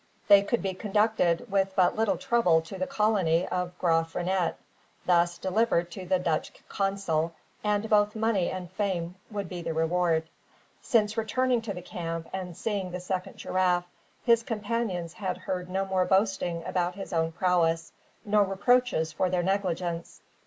They could be conducted with but little trouble to the colony of Graaf Reinet, thence delivered to the Dutch consul, and both money and fame would be the reward. Since returning to the camp and seeing the second giraffe, his companions had heard no more boasting about his own prowess, nor reproaches for their negligence.